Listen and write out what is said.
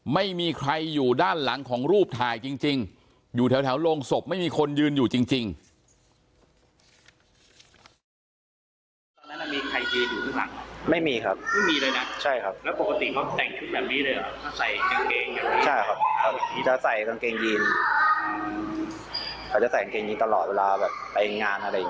ไม่มีใครอยู่ด้านหลังของรูปถ่ายจริงอยู่แถวโรงศพไม่มีคนยืนอยู่จริง